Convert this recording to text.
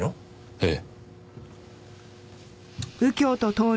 ええ。